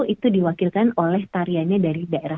itu diwakilkan oleh tariannya dari daerah